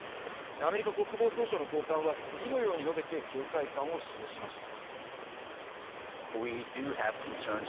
アメリカ国防総省の高官は次のように述べて警戒感を示しました。